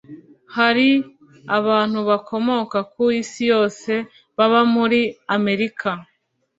Hari abantu bakomoka ku isi yose baba muri Amerika